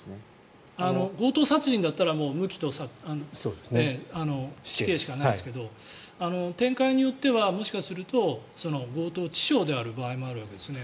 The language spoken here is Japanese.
強盗殺人だったら無期と死刑しかないですけど展開によってはもしかすると強盗致傷である場合もあるわけですね。